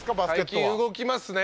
大金動きますね。